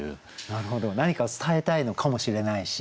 なるほど何かを伝えたいのかもしれないし。